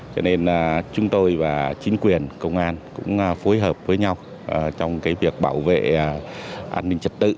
cho nên chúng tôi và chính quyền công an cũng phối hợp với nhau trong việc bảo vệ an ninh trật tự